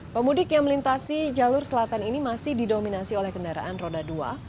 pemudik yang melintasi jalur selatan ini masih didominasi oleh kendaraan roda dua